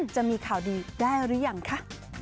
จะมีข่าวดีได้หรือยังคะ